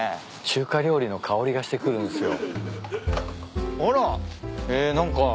中華料理の香りがしてくるんすよ。